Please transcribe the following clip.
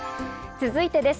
続いてです。